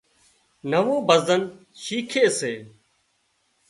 نوان ڀزن شيکي سي